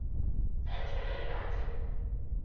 健全医疗制度